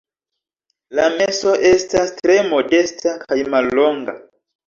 La meso estas tre modesta kaj mallonga.